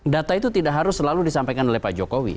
data itu tidak harus selalu disampaikan oleh pak jokowi